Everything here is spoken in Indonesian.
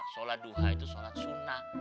sholat duha itu sholat sunnah